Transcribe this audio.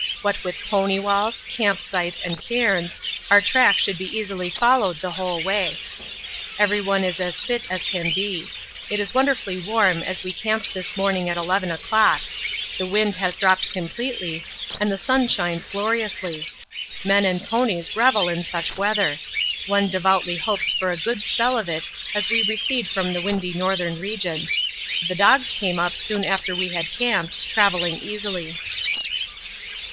What with pony walls, camp sites and cairns, our track should be easily followed the whole way. Everyone is as fit as can be. It was wonderfully warm as we camped this morning at 11 o'clock; the wind has dropped completely and the sun shines gloriously. Men and ponies revel in such weather. One devoutly hopes for a good spell of it as we recede from the windy northern region. The dogs came up soon after we had camped, travelling easily.